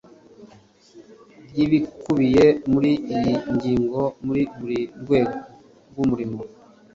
ry ibikubiye muri iyi ngingo muri buri rwego rw umurimo